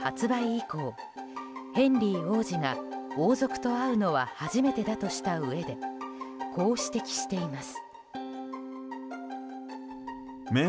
以降ヘンリー王子が王族と会うのは初めてだとしたうえでこう指摘しています。